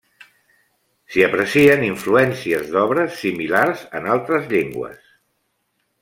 S'hi aprecien influències d'obres similars en altres llengües.